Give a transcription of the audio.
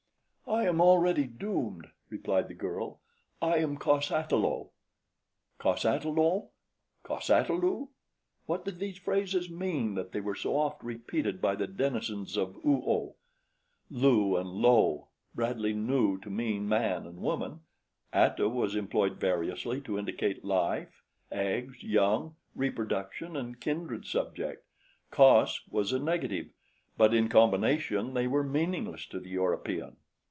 "I am already doomed," replied the girl; "I am cos ata lo." "Cos ata lo! cos ata lu!" What did these phrases mean that they were so oft repeated by the denizens of Oo oh? Lu and lo, Bradley knew to mean man and woman; ata; was employed variously to indicate life, eggs, young, reproduction and kindred subjects; cos was a negative; but in combination they were meaningless to the European.